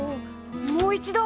もう一度！